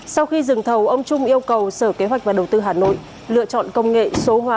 sau khi dừng thầu ông trung yêu cầu sở kế hoạch và đầu tư hà nội lựa chọn công nghệ số hóa